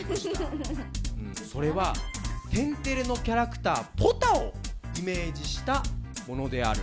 それは「天てれ」のキャラクターポタをイメージしたものである。